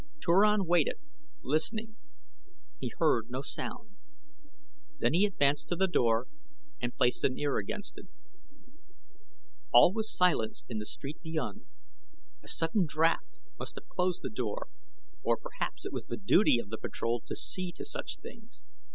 Turan waited, listening. He heard no sound. Then he advanced to the door and placed an ear against it. All was silence in the street beyond. A sudden draft must have closed the door, or perhaps it was the duty of the patrol to see to such things.